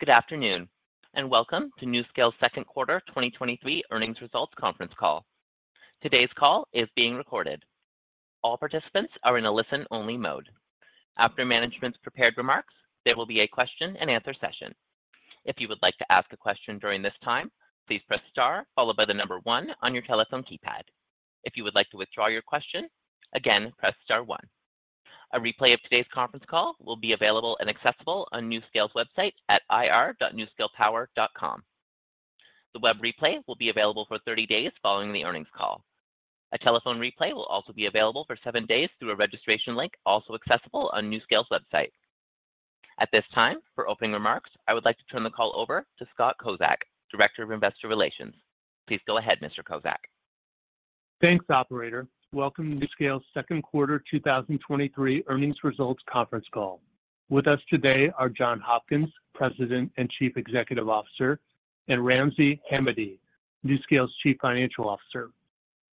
Good afternoon. Welcome to NuScale's Q2 2023 earnings results conference call. Today's call is being recorded. All participants are in a listen-only mode. After management's prepared remarks, there will be a question and answer session. If you would like to ask a question during this time, please press star followed by the number 1 on your telephone keypad. If you would like to withdraw your question, again, press star 1. A replay of today's conference call will be available and accessible on NuScale's website at ir.nuscalepower.com. The web replay will be available for 30 days following the earnings call. A telephone replay will also be available for 7 days through a registration link, also accessible on NuScale's website. At this time, for opening remarks, I would like to turn the call over to Scott Kozak, Director of Investor Relations. Please go ahead, Mr. Kozak. Thanks, operator. Welcome to NuScale's Q2 2023 earnings results conference call. With us today are John Hopkins, President and Chief Executive Officer, and Ramsey Hamady, NuScale's Chief Financial Officer.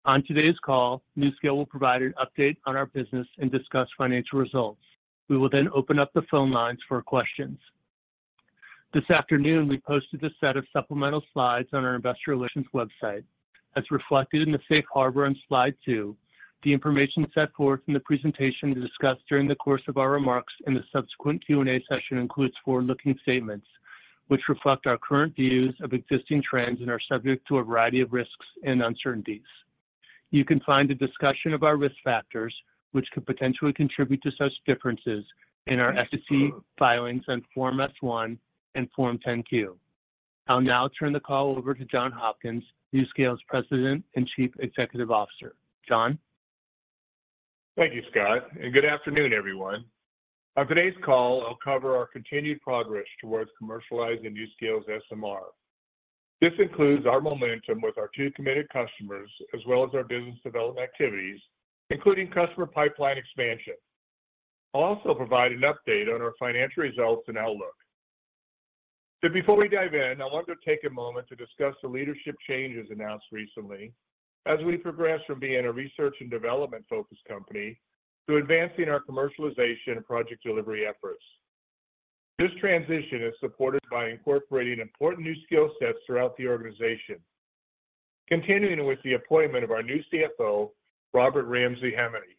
On today's call, NuScale will provide an update on our business and discuss financial results. We will then open up the phone lines for questions. This afternoon, we posted a set of supplemental slides on our investor relations website. As reflected in the Safe Harbor on Slide 2, the information set forth in the presentation discussed during the course of our remarks in the subsequent Q&A session includes forward-looking statements, which reflect our current views of existing trends and are subject to a variety of risks and uncertainties. You can find a discussion of our risk factors, which could potentially contribute to such differences in our SEC filings on Form S-1 and Form 10-Q. I'll now turn the call over to John Hopkins, NuScale's President and Chief Executive Officer. John? Thank you, Scott, and good afternoon, everyone. On today's call, I'll cover our continued progress towards commercializing NuScale's SMR. This includes our momentum with our 2 committed customers, as well as our business development activities, including customer pipeline expansion. I'll also provide an update on our financial results and outlook. Before we dive in, I wanted to take a moment to discuss the leadership changes announced recently as we progress from being a research and development-focused company to advancing our commercialization and project delivery efforts. This transition is supported by incorporating important new skill sets throughout the organization, continuing with the appointment of our new CFO, Robert Ramsey Hamady.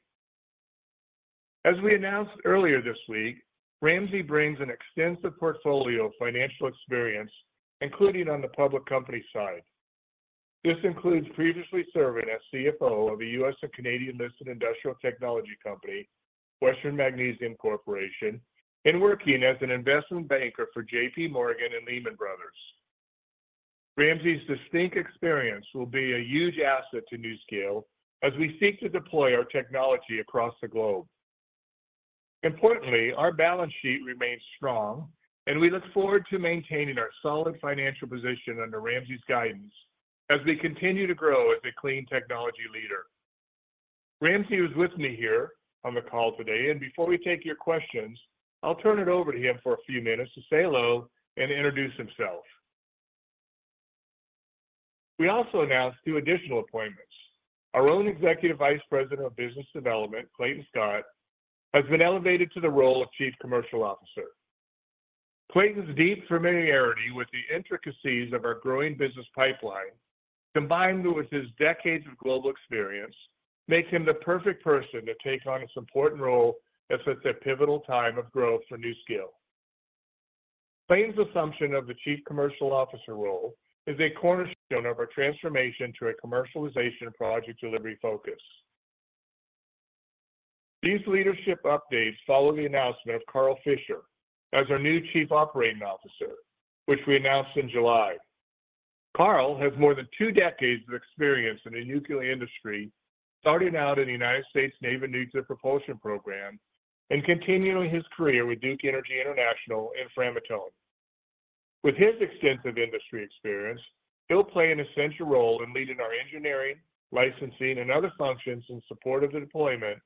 As we announced earlier this week, Ramsey brings an extensive portfolio of financial experience, including on the public company side. This includes previously serving as CFO of a U.S. and Canadian-listed industrial technology company, Western Magnesium Corporation, and working as an investment banker for J.P. Morgan and Lehman Brothers. Ramsey's distinct experience will be a huge asset to NuScale as we seek to deploy our technology across the globe. Importantly, our balance sheet remains strong, and we look forward to maintaining our solid financial position under Ramsey's guidance as we continue to grow as a clean technology leader. Ramsey, who's with me here on the call today, and before we take your questions, I'll turn it over to him for a few minutes to say hello and introduce himself. We also announced two additional appointments. Our own Executive Vice President of Business Development, Clayton Scott, has been elevated to the role of Chief Commercial Officer. Clayton's deep familiarity with the intricacies of our growing business pipeline, combined with his two decades of global experience, makes him the perfect person to take on this important role as it's a pivotal time of growth for NuScale. Clayton's assumption of the Chief Commercial Officer role is a cornerstone of our transformation to a commercialization and project delivery focus. These leadership updates follow the announcement of Carl Fisher as our new Chief Operating Officer, which we announced in July. Carl has more than two decades of experience in the nuclear industry, starting out in the United States Navy Nuclear Propulsion Program and continuing his career with Duke Energy International and Framatome. With his extensive industry experience, he'll play an essential role in leading our engineering, licensing, and other functions in support of the deployment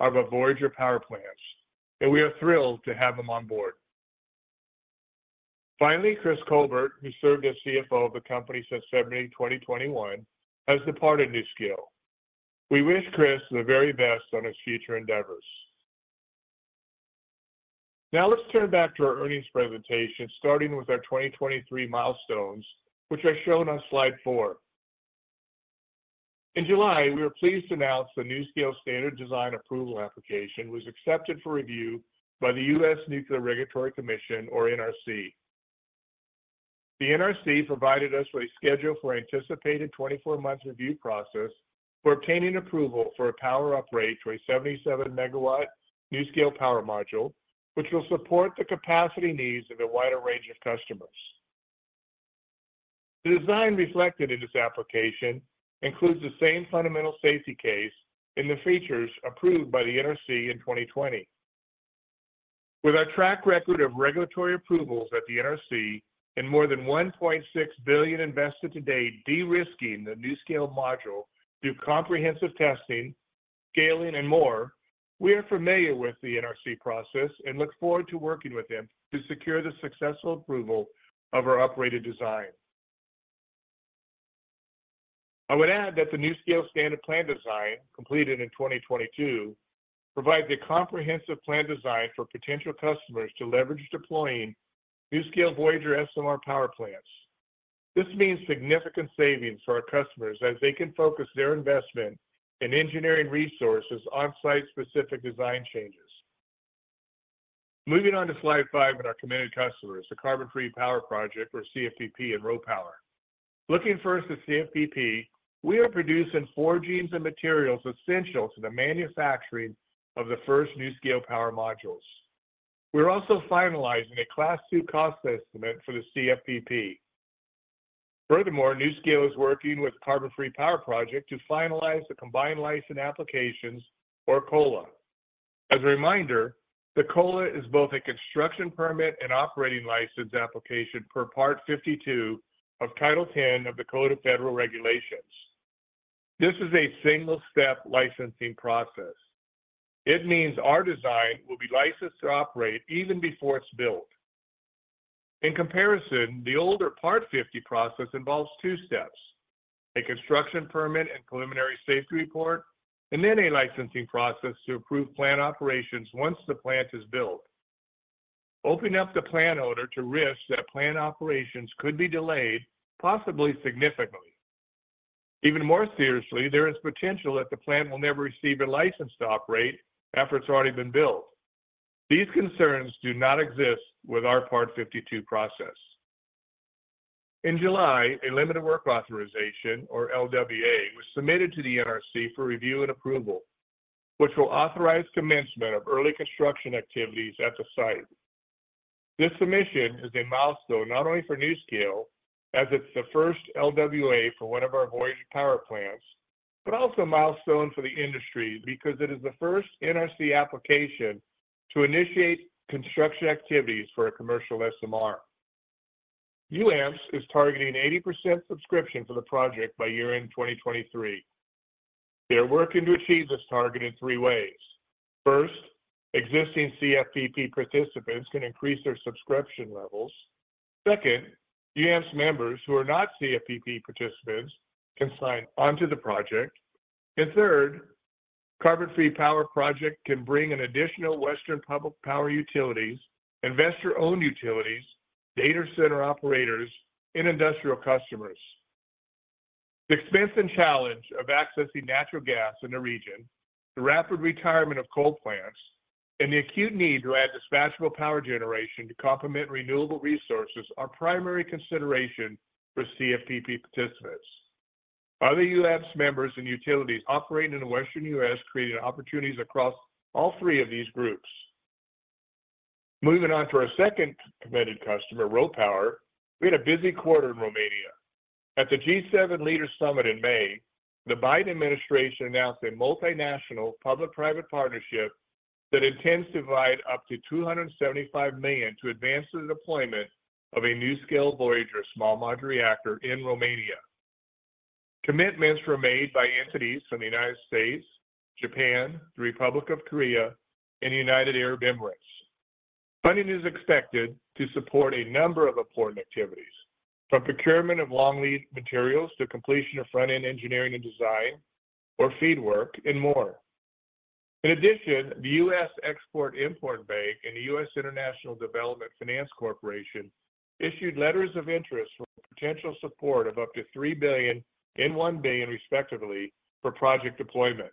of our VOYGR power plants. We are thrilled to have him on board. Finally, Chris Colbert, who served as CFO of the company since February 2021, has departed NuScale. We wish Chris the very best on his future endeavors. Now, let's turn back to our earnings presentation, starting with our 2023 milestones, which are shown on Slide 4. In July, we were pleased to announce the NuScale Standard Design Approval application was accepted for review by the US Nuclear Regulatory Commission, or NRC. The NRC provided us with a schedule for anticipated 24 months review process for obtaining approval for a power upgrade to a 77 megawatt NuScale power module, which will support the capacity needs of a wider range of customers. The design reflected in this application includes the same fundamental safety case and the features approved by the NRC in 2020. With our track record of regulatory approvals at the NRC and more than $1.6 billion invested to date, de-risking the NuScale module through comprehensive testing, scaling, and more, we are familiar with the NRC process and look forward to working with them to secure the successful approval of our uprated design. I would add that the NuScale standard plan design, completed in 2022, provides a comprehensive plan design for potential customers to leverage deploying NuScale VOYGR SMR power plants. This means significant savings for our customers, as they can focus their investment in engineering resources on-site specific design changes. Moving on to slide 5 with our committed customers, the Carbon Free Power Project, or CFPP, and RoPower. Looking first at CFPP, we are producing forgings and materials essential to the manufacturing of the first NuScale Power Modules. We're also finalizing a Class 2 cost estimate for the CFPP. Furthermore, NuScale is working with Carbon Free Power Project to finalize the combined license applications, or COLA. As a reminder, the COLA is both a construction permit and operating license application per Part 52 of Title 10 of the Code of Federal Regulations. This is a single-step licensing process. It means our design will be licensed to operate even before it's built. In comparison, the older Part 50 process involves 2 steps: a construction permit and preliminary safety report, and then a licensing process to approve plant operations once the plant is built, opening up the plant owner to risks that plant operations could be delayed, possibly significantly. Even more seriously, there is potential that the plant will never receive a license to operate after it's already been built. These concerns do not exist with our Part 52 process. In July, a Limited Work Authorization, or LWA, was submitted to the NRC for review and approval, which will authorize commencement of early construction activities at the site. This submission is a milestone not only for NuScale, as it's the first LWA for one of our VOYGR power plants, but also a milestone for the industry because it is the first NRC application to initiate construction activities for a commercial SMR. UAMPS is targeting 80% subscription for the project by year-end 2023. They are working to achieve this target in 3 ways. First, existing CFPP participants can increase their subscription levels. Second, UAMPS members who are not CFPP participants can sign onto the project. Third, Carbon Free Power Project can bring an additional Western public power utilities, investor-owned utilities, data center operators, and industrial customers. The expense and challenge of accessing natural gas in the region, the rapid retirement of coal plants, and the acute need to add dispatchable power generation to complement renewable resources are primary consideration for CFPP participants. Other UAMPS members and utilities operating in the Western U.S. created opportunities across all three of these groups. Moving on to our second committed customer, RoPower, we had a busy quarter in Romania. At the G7 Leaders' Summit in May, the Biden administration announced a multinational public-private partnership that intends to provide up to $275 million to advance the deployment of a NuScale VOYGR small modular reactor in Romania. Commitments were made by entities from the United States, Japan, the Republic of Korea, and the United Arab Emirates. Funding is expected to support a number of important activities, from procurement of long-lead materials to completion of front-end engineering and design or FEED work, and more. In addition, the U.S. Export-Import Bank and the U.S. International Development Finance Corporation issued letters of interest for potential support of up to $3 billion and $1 billion, respectively, for project deployment.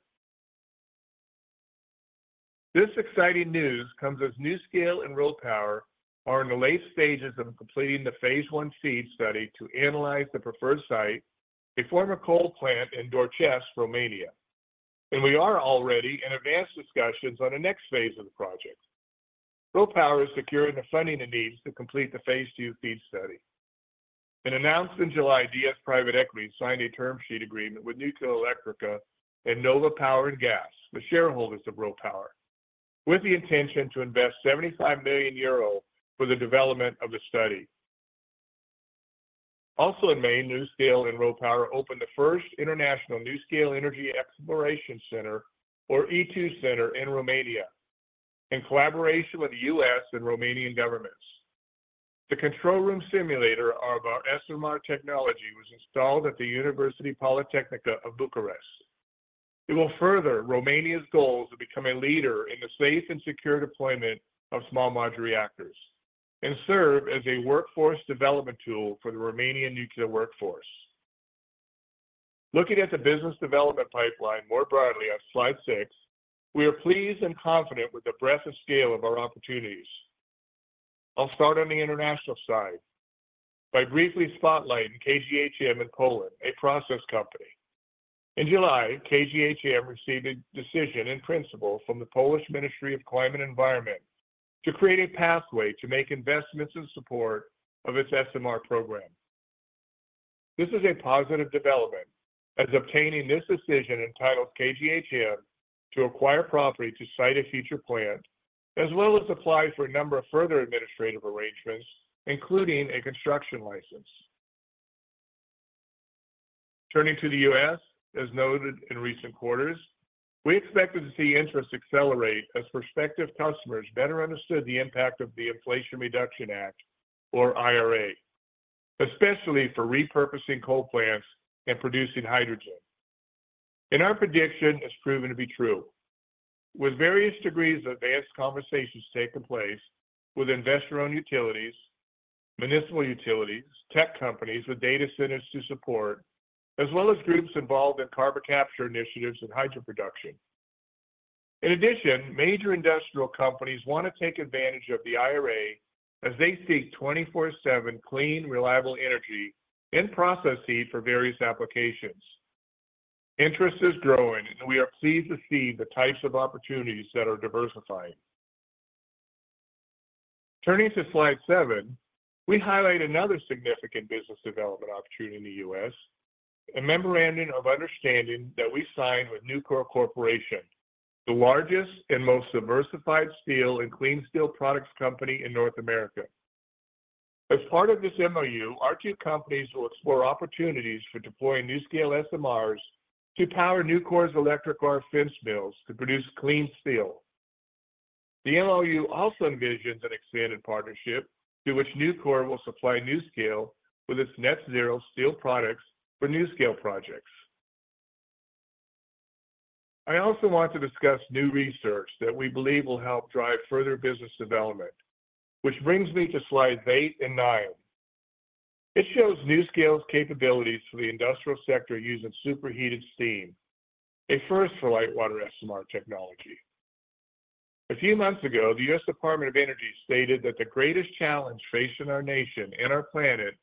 This exciting news comes as NuScale and RoPower are in the late stages of completing the phase I FEED study to analyze the preferred site, a former coal plant in Doicești, Romania, and we are already in advanced discussions on the next phase of the project. RoPower is securing the funding it needs to complete the phase II FEED study. In announcement July, DS Private Equity signed a term sheet agreement with Nuclearelectrica and Nova Power & Gas, the shareholders of RoPower, with the intention to invest 75 million euro for the development of the study. Also in May, NuScale and RoPower opened the first international NuScale Energy Exploration Center, or E2 Center, in Romania, in collaboration with the U.S. and Romanian governments. The control room simulator of our SMR technology was installed at the University Politehnica of Bucharest. It will further Romania's goals to become a leader in the safe and secure deployment of small modular reactors and serve as a workforce development tool for the Romanian nuclear workforce. Looking at the business development pipeline more broadly on slide 6, we are pleased and confident with the breadth and scale of our opportunities. I'll start on the international side by briefly spotlighting KGHM in Poland, a process company. In July, KGHM received a decision in principle from the Polish Ministry of Climate and Environment to create a pathway to make investments in support of its SMR program. This is a positive development, as obtaining this decision entitles KGHM to acquire property to site a future plant, as well as apply for a number of further administrative arrangements, including a construction license. Turning to the U.S., as noted in recent quarters. We expected to see interest accelerate as prospective customers better understood the impact of the Inflation Reduction Act, or IRA, especially for repurposing coal plants and producing hydrogen. Our prediction has proven to be true, with various degrees of advanced conversations taking place with investor-owned utilities, municipal utilities, tech companies with data centers to support, as well as groups involved in carbon capture initiatives and hydro production. In addition, major industrial companies want to take advantage of the IRA as they seek 24/7 clean, reliable energy and processes for various applications. Interest is growing, and we are pleased to see the types of opportunities that are diversifying. Turning to slide 7, we highlight another significant business development opportunity in the U.S., a memorandum of understanding that we signed with Nucor Corporation, the largest and most diversified steel and clean steel products company in North America. As part of this MOU, our two companies will explore opportunities for deploying NuScale SMRs to power Nucor's electric arc furnace mills to produce clean steel. The MOU also envisions an expanded partnership through which Nucor will supply NuScale with its net zero steel products for NuScale projects. I also want to discuss new research that we believe will help drive further business development, which brings me to slides 8 and 9. It shows NuScale's capabilities for the industrial sector using superheated steam, a first for light water SMR technology. A few months ago, the US Department of Energy stated that the greatest challenge facing our nation and our planet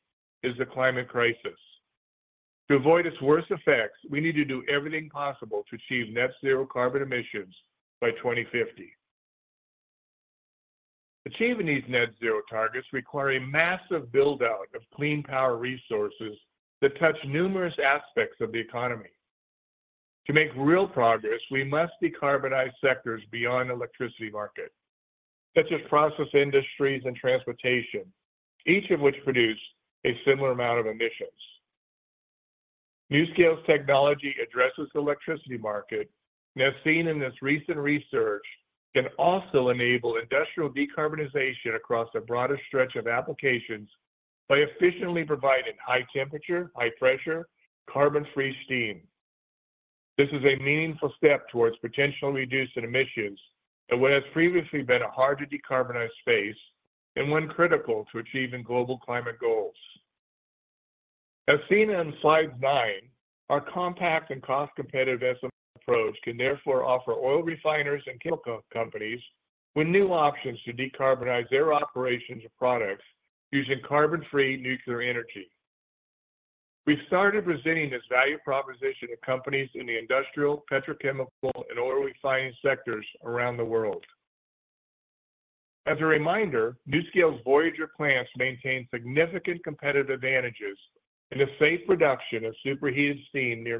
is the climate crisis. To avoid its worst effects, we need to do everything possible to achieve net zero carbon emissions by 2050. Achieving these net zero targets require a massive build-out of clean power resources that touch numerous aspects of the economy. To make real progress, we must decarbonize sectors beyond the electricity market, such as process industries and transportation, each of which produce a similar amount of emissions. NuScale's technology addresses the electricity market, and as seen in this recent research, can also enable industrial decarbonization across a broader stretch of applications by efficiently providing high temperature, high pressure, carbon-free steam. This is a meaningful step towards potentially reducing emissions in what has previously been a hard-to-decarbonize space and one critical to achieving global climate goals. As seen on slide nine, our compact and cost-competitive SMR approach can therefore offer oil refiners and chemical companies with new options to decarbonize their operations and products using carbon-free nuclear energy. We've started presenting this value proposition to companies in the industrial, petrochemical, and oil refining sectors around the world. As a reminder, NuScale's VOYGR plants maintain significant competitive advantages in the safe production of superheated steam near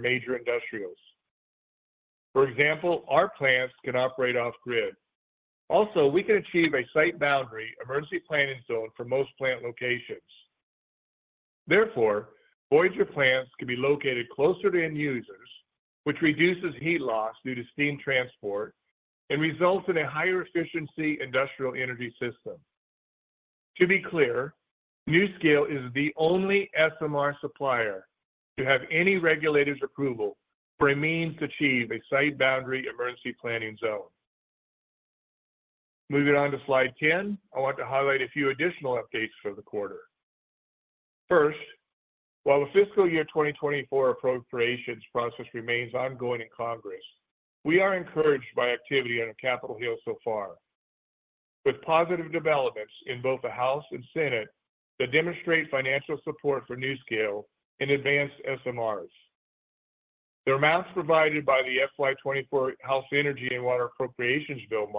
major industrials. For example, our plants can operate off grid. We can achieve a site boundary emergency planning zone for most plant locations. Therefore, VOYGR plants can be located closer to end users, which reduces heat loss due to steam transport and results in a higher efficiency industrial energy system. To be clear, NuScale is the only SMR supplier to have any regulator's approval for a means to achieve a site boundary emergency planning zone. Moving on to slide 10, I want to highlight a few additional updates for the quarter. First, while the fiscal year 2024 appropriations process remains ongoing in Congress, we are encouraged by activity on Capitol Hill so far, with positive developments in both the House and Senate that demonstrate financial support for NuScale and advanced SMRs. The amounts provided by the FY 2024 House Energy and Water Development Appropriations Bill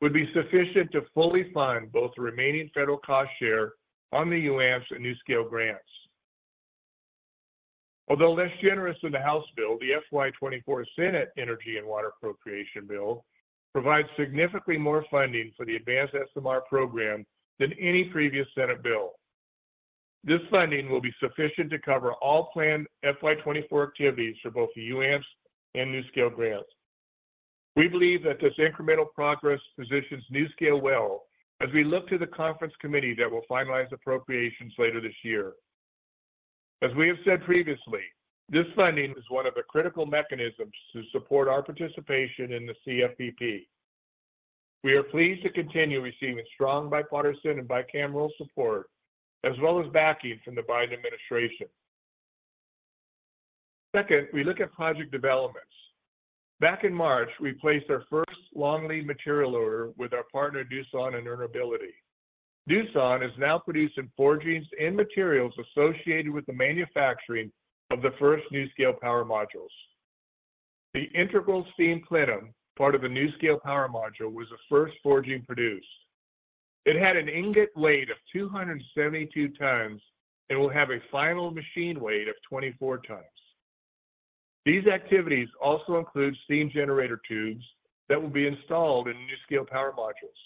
would be sufficient to fully fund both the remaining federal cost share on the UNFSS and NuScale grants. Although less generous than the House bill, the FY 2024 Senate Energy and Water Development Appropriations Bill provides significantly more funding for the advanced SMR program than any previous Senate bill. This funding will be sufficient to cover all planned FY 2024 activities for both the UNFSS and NuScale grants. We believe that this incremental progress positions NuScale well as we look to the conference committee that will finalize appropriations later this year. As we have said previously, this funding is one of the critical mechanisms to support our participation in the CFPP. We are pleased to continue receiving strong bipartisan and bicameral support, as well as backing from the Biden administration. Second, we look at project developments. Back in March, we placed our first long-lead material order with our partner, Doosan Enerbility. Doosan is now producing forgings and materials associated with the manufacturing of the first NuScale power modules. The integral steam plenum, part of the NuScale power module, was the first forging produced. It had an ingot weight of 272 tons and will have a final machine weight of 24 tons. These activities also include steam generator tubes that will be installed in NuScale Power Modules.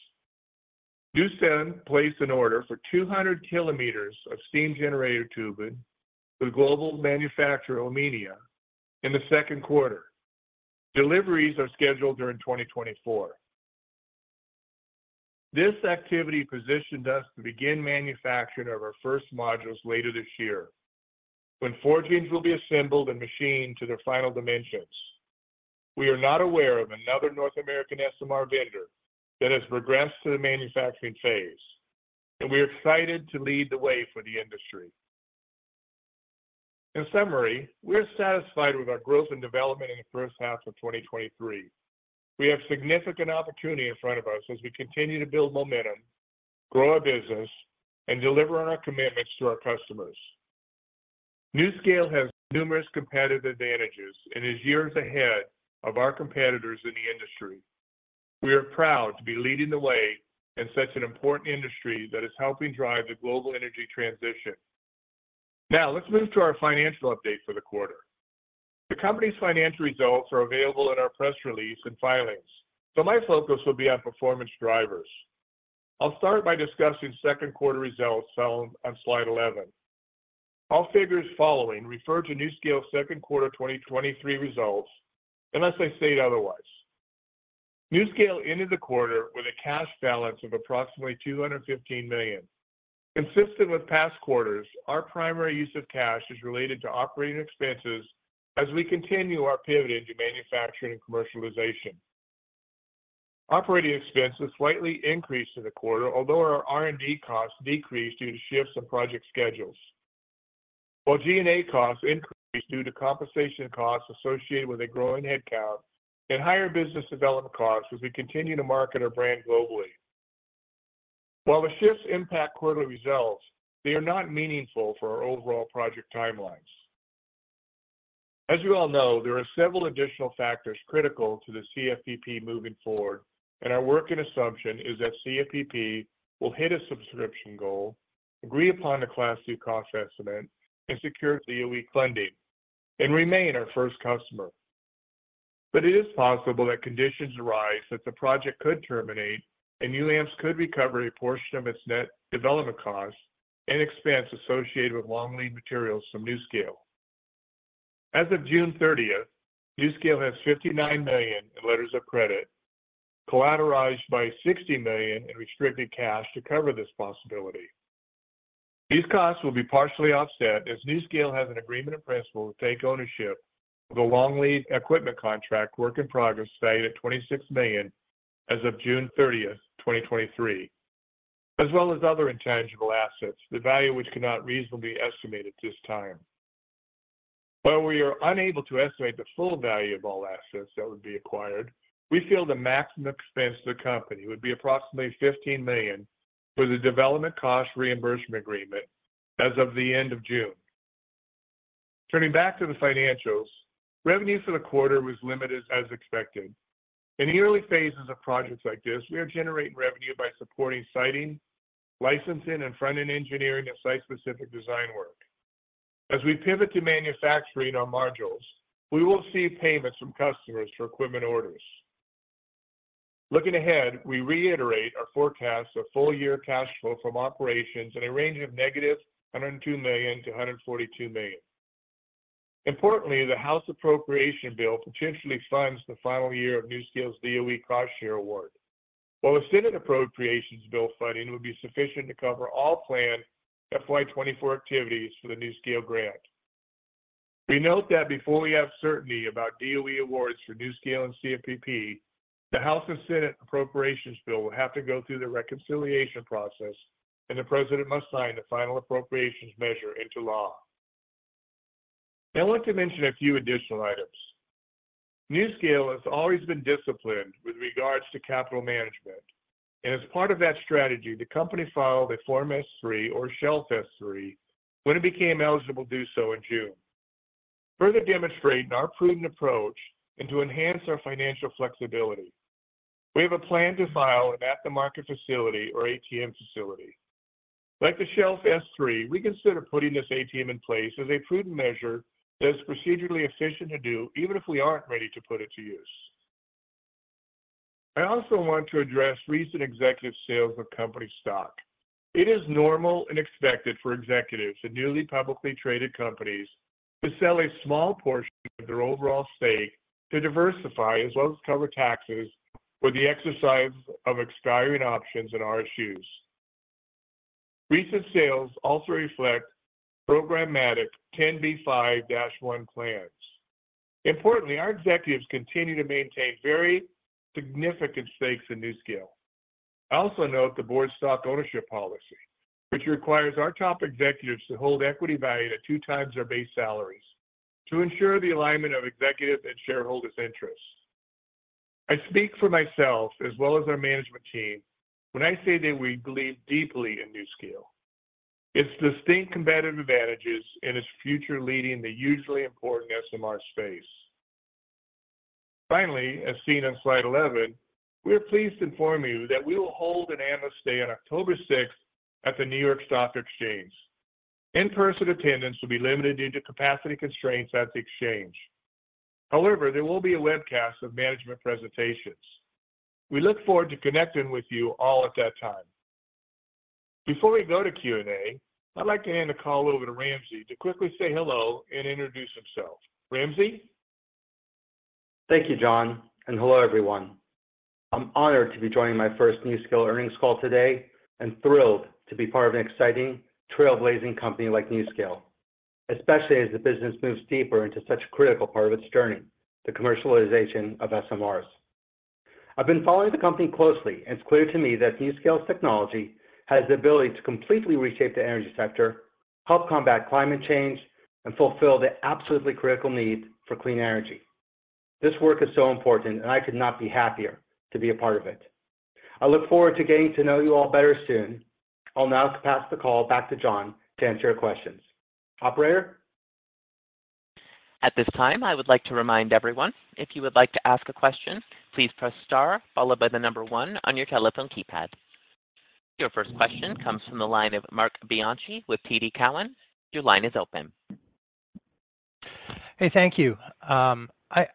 USAN placed an order for 200 kilometers of steam generator tubing to the global manufacturer, Alleima, in the Q2. Deliveries are scheduled during 2024. This activity positioned us to begin manufacturing of our first modules later this year, when forgeries will be assembled and machined to their final dimensions. We are not aware of another North American SMR vendor that has progressed to the manufacturing phase, and we are excited to lead the way for the industry. In summary, we're satisfied with our growth and development in the first half of 2023. We have significant opportunity in front of us as we continue to build momentum, grow our business, and deliver on our commitments to our customers. NuScale has numerous competitive advantages and is years ahead of our competitors in the industry. We are proud to be leading the way in such an important industry that is helping drive the global energy transition. Let's move to our financial update for the quarter. The company's financial results are available in our press release and filings. My focus will be on performance drivers. I'll start by discussing Q2 results found on slide 11. All figures following refer to NuScale Q2 2023 results, unless I state otherwise. NuScale ended the quarter with a cash balance of approximately $215 million. Consistent with past quarters, our primary use of cash is related to operating expenses as we continue our pivot into manufacturing and commercialization. Operating expenses slightly increased in the quarter, although our R&D costs decreased due to shifts in project schedules, while G&A costs increased due to compensation costs associated with a growing headcount and higher business development costs as we continue to market our brand globally. While the shifts impact quarterly results, they are not meaningful for our overall project timelines. As you all know, there are several additional factors critical to the CFPP moving forward. Our working assumption is that CFPP will hit a subscription goal, agree upon a Class 2 cost estimate, and secure DOE funding, and remain our first customer. It is possible that conditions arise that the project could terminate, and UAMPS could recover a portion of its net development costs and expense associated with long lead materials from NuScale. As of June 30, NuScale has $59 million in letters of credit, collateralized by $60 million in restricted cash to cover this possibility. These costs will be partially offset as NuScale has an agreement in principle to take ownership of the long lead equipment contract work in progress, valued at $26 million as of June 30, 2023, as well as other intangible assets, the value which cannot reasonably estimate at this time. While we are unable to estimate the full value of all assets that would be acquired, we feel the maximum expense to the company would be approximately $15 million for the development cost reimbursement agreement as of the end of June. Turning back to the financials, revenues for the quarter was limited, as expected. In the early phases of projects like this, we are generating revenue by supporting siting, licensing, and front-end engineering and site-specific design work. As we pivot to manufacturing our modules, we will see payments from customers for equipment orders. Looking ahead, we reiterate our forecast for full-year cash flow from operations in a range of -$102 million to $142 million. Importantly, the House Appropriations Bill potentially funds the final year of NuScale's DOE Cost Share Award, while the Senate Appropriations Bill funding would be sufficient to cover all planned FY 2024 activities for the NuScale grant. We note that before we have certainty about DOE awards for NuScale and CFPP, the House and Senate Appropriations Bill will have to go through the reconciliation process, and the President must sign the final appropriations measure into law. I want to mention a few additional items. NuScale has always been disciplined with regards to capital management, and as part of that strategy, the company filed a Form S-3 or Shelf S-3 when it became eligible to do so in June. Further demonstrating our prudent approach and to enhance our financial flexibility, we have a plan to file an At-the-Market facility or ATM facility. Like the Shelf S-3, we consider putting this ATM in place as a prudent measure that is procedurally efficient to do, even if we aren't ready to put it to use. I also want to address recent executive sales of company stock. It is normal and expected for executives of newly publicly traded companies to sell a small portion of their overall stake to diversify, as well as cover taxes for the exercise of expiring options and RSUs. Recent sales also reflect programmatic Rule 10b5-1 plans. Importantly, our executives continue to maintain very significant stakes in NuScale. I also note the board's stock ownership policy, which requires our top executives to hold equity value at 2 times their base salaries to ensure the alignment of executive and shareholders' interests. I speak for myself, as well as our management team, when I say that we believe deeply in NuScale, its distinct competitive advantages, and its future leading the hugely important SMR space. Finally, as seen on slide 11, we are pleased to inform you that we will hold an analyst day on October 6th at the New York Stock Exchange. In-person attendance will be limited due to capacity constraints at the Exchange. However, there will be a webcast of management presentations. We look forward to connecting with you all at that time. Before we go to Q&A, I'd like to hand the call over to Ramsey to quickly say hello and introduce himself. Ramsey? Thank you, John, and hello everyone. I'm honored to be joining my first NuScale earnings call today, and thrilled to be part of an exciting, trailblazing company like NuScale, especially as the business moves deeper into such a critical part of its journey, the commercialization of SMRs. I've been following the company closely, and it's clear to me that NuScale's technology has the ability to completely reshape the energy sector, help combat climate change, and fulfill the absolutely critical need for clean energy. This work is so important, and I could not be happier to be a part of it. I look forward to getting to know you all better soon. I'll now pass the call back to John to answer your questions. Operator? At this time, I would like to remind everyone, if you would like to ask a question, please press star followed by the number 1 on your telephone keypad. Your first question comes from the line of Marc Bianchi with TD Cowen. Your line is open. Hey, thank you. I,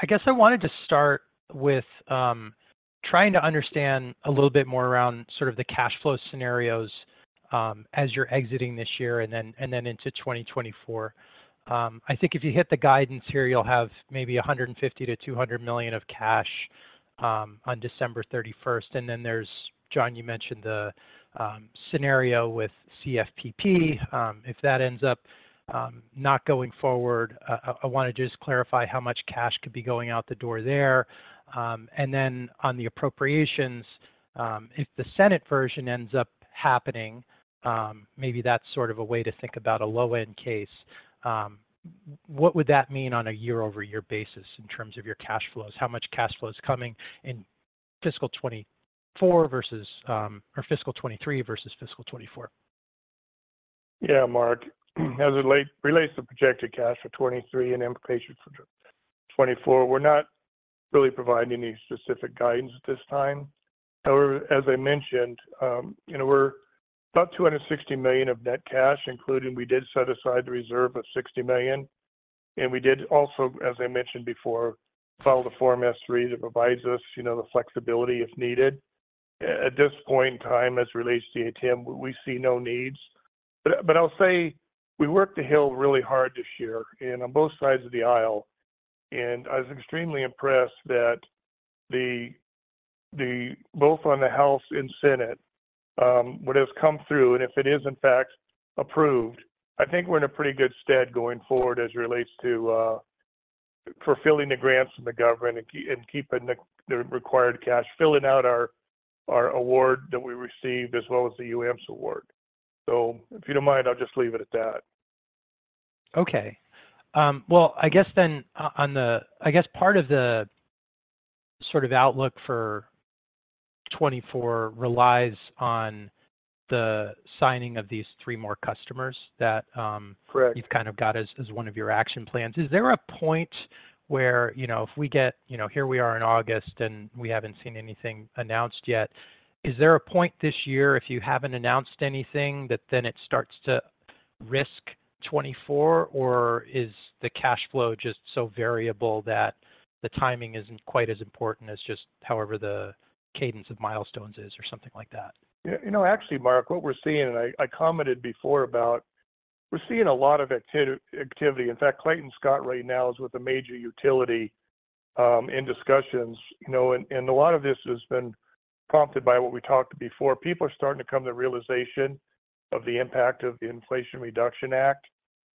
I guess I wanted to start with, trying to understand a little bit more around sort of the cash flow scenarios, as you're exiting this year and then, and then into 2024. I think if you hit the guidance here, you'll have maybe $150 million-$200 million of cash on December 31st. There's, John, you mentioned the scenario with CFPP. If that ends up not going forward, I, I, I wanna just clarify how much cash could be going out the door there. On the appropriations, if the Senate version ends up happening, maybe that's sort of a way to think about a low-end case. What would that mean on a year-over-year basis in terms of your cash flows? How much cash flow is coming in fiscal 2024 versus, or fiscal 2023 versus fiscal 2024? Yeah, Marc, as it relates to projected cash for 2023 and implications for 2024, we're not really providing any specific guidance at this time. However, as I mentioned, you know, we're about $260 million of net cash, including we did set aside the reserve of $60 million, and we did also, as I mentioned before, file the Form S-3 that provides us, you know, the flexibility if needed. At this point in time, as it relates to ATM, we see no needs. I'll say we worked the Hill really hard this year, and on both sides of the aisle, and I was extremely impressed that the both on the House and Senate, what has come through, and if it is in fact approved, I think we're in a pretty good stead going forward as it relates to fulfilling the grants from the government and keeping the required cash, filling out our award that we received, as well as the UAMPS award. So if you don't mind, I'll just leave it at that. Okay. I guess then part of the sort of outlook for 2024 relies on the signing of these 3 more customers that. Correct... you've kind of got as, as one of your action plans. Is there a point where, you know, if we get, you know, here we are in August, and we haven't seen anything announced yet, is there a point this year, if you haven't announced anything, that then it starts to risk 2024? Is the cash flow just so variable that the timing isn't quite as important as just however the cadence of milestones is or something like that? Yeah, you know, actually, Marc, what we're seeing, and I commented before about we're seeing a lot of activity. In fact, Clayton Scott right now is with a major utility, in discussions, you know, and a lot of this has been prompted by what we talked before. People are starting to come to the realization of the impact of the Inflation Reduction Act,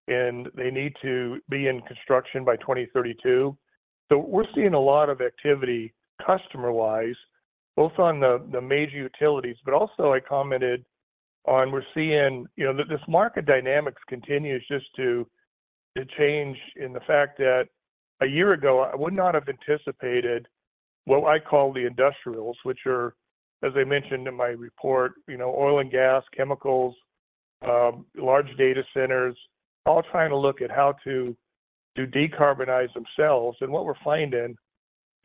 and they need to be in construction by 2032. We're seeing a lot of activity, customer wise, both on the major utilities, but also I commented on we're seeing, you know... This market dynamics continues just to change in the fact that a year ago, I would not have anticipated what I call the industrials, which are, as I mentioned in my report, you know, oil and gas, chemicals, large data centers, all trying to look at how to decarbonize themselves. What we're finding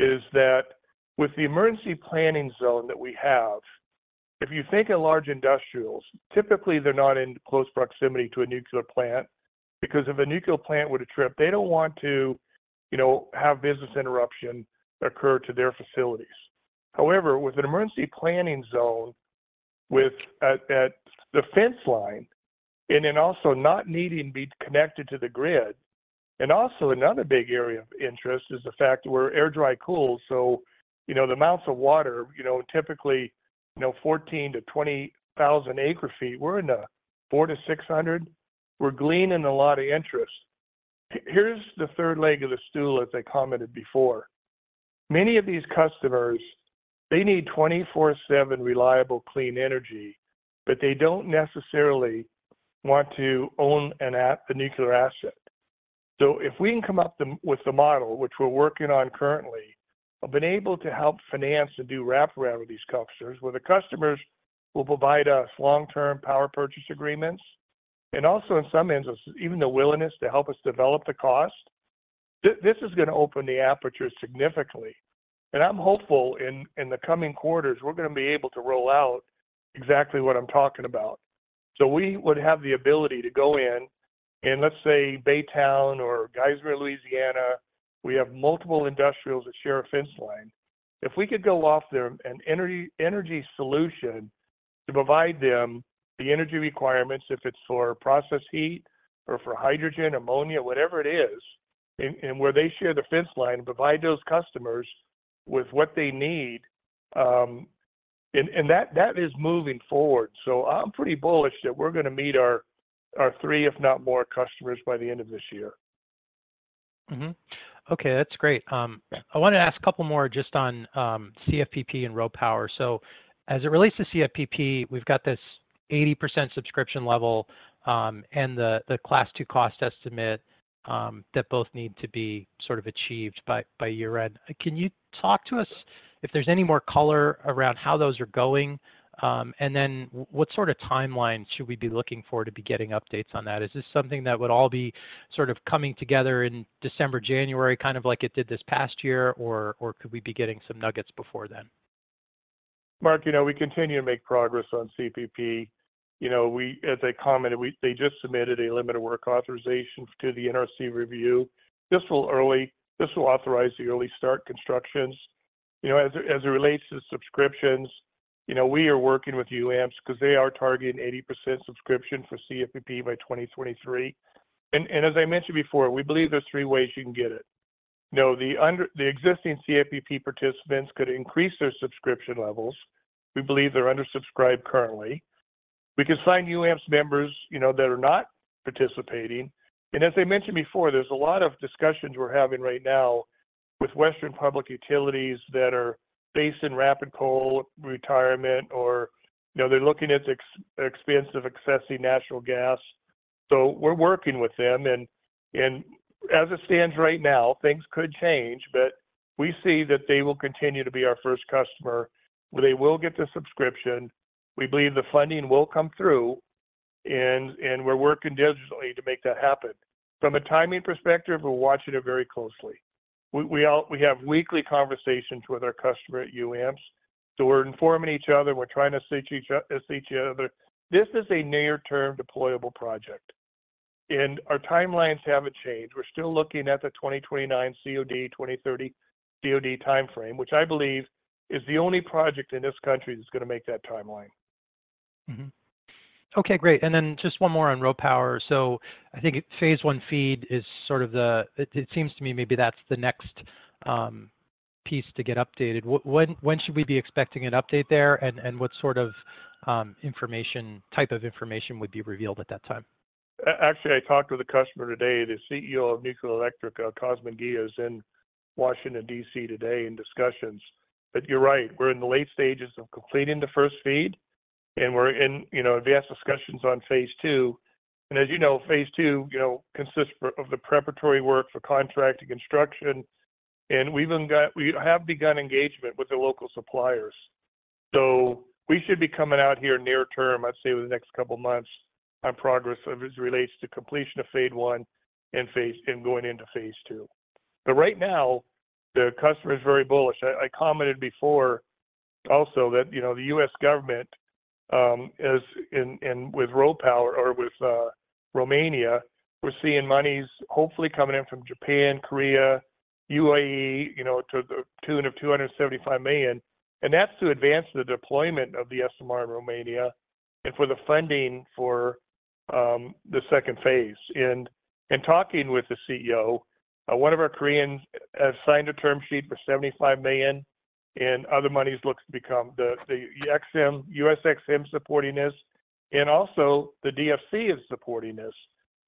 is that with the emergency planning zone that we have, if you think of large industrials, typically, they're not in close proximity to a nuclear plant, because if a nuclear plant were to trip, they don't want to, you know, have business interruption occur to their facilities. However, with an emergency planning zone, at the fence line, then also not needing to be connected to the grid, also another big area of interest is the fact we're air dry cool. You know, the amounts of water, you know, typically, you know, 14,000-20,000 acre feet, we're in a 400-600 acre feet. We're gleaning a lot of interest. Here's the third leg of the stool, as I commented before. Many of these customers, they need 24/7 reliable, clean energy, but they don't necessarily want to own a nuclear asset. If we can come up with the model, which we're working on currently, I've been able to help finance and do wraparound with these customers, where the customers will provide us long-term power purchase agreements, and also in some instances, even the willingness to help us develop the cost. This is gonna open the aperture significantly, and I'm hopeful in, in the coming quarters, we're gonna be able to roll out exactly what I'm talking about. We would have the ability to go in, in let's say, Baytown or Geismar, Louisiana, we have multiple industrials that share a fence line. If we could go off there an energy, energy solution to provide them the energy requirements, if it's for process heat or for hydrogen, ammonia, whatever it is, and, and where they share the fence line, and provide those customers with what they need. And, and that, that is moving forward. I'm pretty bullish that we're gonna meet our, our 3, if not more, customers by the end of this year. Mm-hmm. Okay, that's great. I wanted to ask a couple more just on CFPP and RoPower. As it relates to CFPP, we've got this 80% subscription level, and the Class 2 cost estimate, that both need to be sort of achieved by, by year-end. Can you talk to us if there's any more color around how those are going? What sort of timeline should we be looking for to be getting updates on that? Is this something that would all be sort of coming together in December, January, kind of like it did this past year, or, or could we be getting some nuggets before then? Marc, you know, we continue to make progress on CFPP. You know, we, as I commented, they just submitted a limited work authorization to the NRC review. This will authorize the early start constructions. You know, as it, as it relates to subscriptions, you know, we are working with UAMPS because they are targeting 80% subscription for CFPP by 2023. As I mentioned before, we believe there's 3 ways you can get it. You know, the existing CFPP participants could increase their subscription levels. We believe they're undersubscribed currently. We can sign UAMPS members, you know, that are not participating. As I mentioned before, there's a lot of discussions we're having right now with Western public utilities that are based in rapid coal retirement, or, you know, they're looking at expensive, excessive natural gas. We're working with them, and as it stands right now, things could change, but we see that they will continue to be our first customer, where they will get the subscription. We believe the funding will come through, and we're working diligently to make that happen. From a timing perspective, we're watching it very closely. We have weekly conversations with our customer at UAMPS, so we're informing each other, we're trying to assist each other, assist each other. This is a near-term deployable project, and our timelines haven't changed. We're still looking at the 2029 COD, 2030 COD timeframe, which I believe is the only project in this country that's gonna make that timeline. Mm-hmm. Okay, great. Then just one more on RoPower. I think phase I FEED is sort of the it seems to me maybe that's the next piece to get updated. When should we be expecting an update there, and what sort of information, type of information would be revealed at that time? Actually, I talked with a customer today, the CEO of Nuclearelectrica, Cosmin Ghiță, is in Washington, D.C. today in discussions. You're right, we're in the late stages of completing the first FEED, and we're in, you know, advanced discussions on phase II. As you know, phase II, you know, consists of the preparatory work for contract and construction, and we have begun engagement with the local suppliers. We should be coming out here near term, I'd say within the next couple of months, on progress as it relates to completion of phase and phase and going into phase II. Right now, the customer is very bullish. I, I commented before also that, you know, the U.S. government, is in, in with RoPower or with Romania, we're seeing monies hopefully coming in from Japan, Korea, UAE, you know, to the tune of $275 million, that's to advance the deployment of the SMR in Romania and for the funding for the second phase. Talking with the CEO, one of our Koreans has signed a term sheet for $75 million, other monies looks to become, the, the Exim, U.S. Exim supporting this, and also the DFC is supporting this.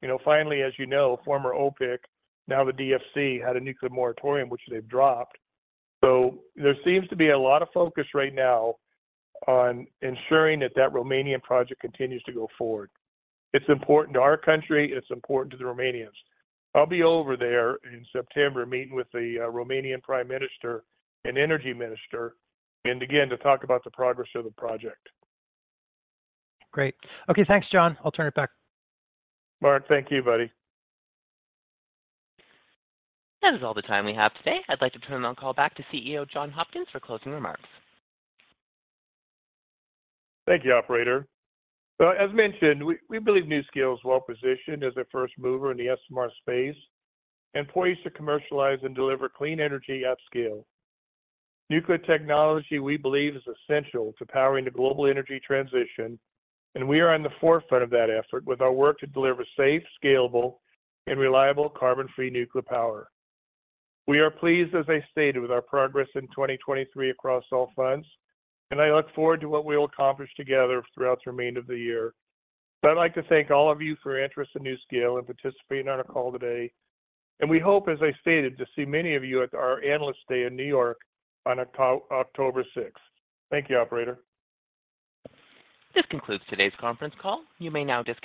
You know, finally, as you know, former OPIC, now the DFC, had a nuclear moratorium, which they've dropped. There seems to be a lot of focus right now on ensuring that that Romanian project continues to go forward. It's important to our country, and it's important to the Romanians. I'll be over there in September, meeting with the Romanian Prime Minister and Energy Minister, again, to talk about the progress of the project. Great. Okay, thanks, John. I'll turn it back. Marc, thank you, buddy. That is all the time we have today. I'd like to turn the call back to CEO John Hopkins for closing remarks. Thank you, operator. As mentioned, we believe NuScale is well positioned as a first mover in the SMR space and poised to commercialize and deliver clean energy at scale. Nuclear technology, we believe, is essential to powering the global energy transition, and we are on the forefront of that effort with our work to deliver safe, scalable, and reliable carbon-free nuclear power. We are pleased, as I stated, with our progress in 2023 across all fronts, and I look forward to what we will accomplish together throughout the remainder of the year. I'd like to thank all of you for your interest in NuScale and participating on our call today. We hope, as I stated, to see many of you at our Analyst Day in New York on October sixth. Thank you, operator. This concludes today's conference call. You may now disconnect.